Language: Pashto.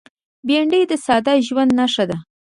بېنډۍ د ساده ژوند نښه ده